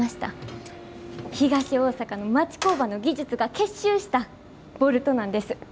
東大阪の町工場の技術が結集したボルトなんです。